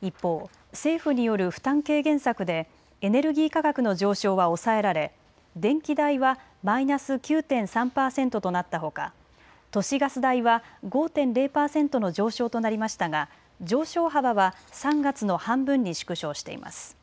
一方、政府による負担軽減策でエネルギー価格の上昇は抑えられ電気代はマイナス９．３％となったほか都市ガス代は５．０％の上昇となりましたが上昇幅は３月の半分に縮小しています。